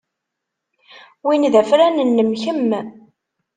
Win d afran-nnem kemm.